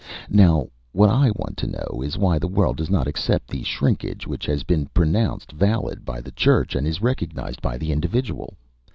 Now what I want to know is why the world does not accept the shrinkage which has been pronounced valid by the church and is recognized by the individual?